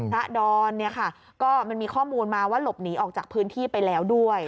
ดอนเนี่ยค่ะก็มันมีข้อมูลมาว่าหลบหนีออกจากพื้นที่ไปแล้วด้วย